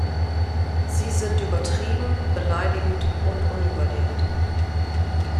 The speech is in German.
Sie sind übertrieben, beleidigend und unüberlegt.